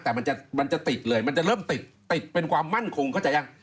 แต่มันจะติดเลยมันจะเริ่มติดติดเป็นความมั่นคงเข้าใจยัง